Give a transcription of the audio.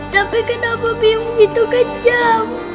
tapi kenapa biong begitu kejam